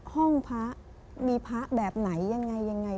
ห้องพ้ามีพ้าแบบไหนยังไงยังไง